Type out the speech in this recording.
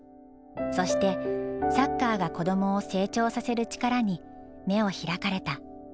そしてサッカーが子どもを成長させる力に目を開かれた。